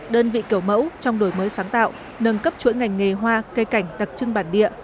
đơn vị kiểu mẫu trong đổi mới sáng tạo nâng cấp chuỗi ngành nghề hoa cây cảnh đặc trưng bản địa